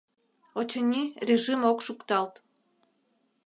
— Очыни, режим ок шукталт.